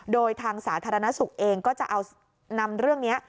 โดยทางสาธารณสุขเองก็จะเอานำเรื่องนี้